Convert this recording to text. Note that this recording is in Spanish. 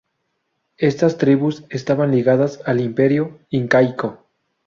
Estas tribus estaban ligadas al imperio incaico.